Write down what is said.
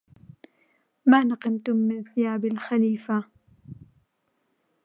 ما نقمتم من ثياب خلفة